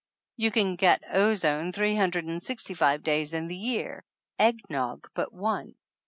"You can get ozone three hundred and sixty five days in the year, egg nog but one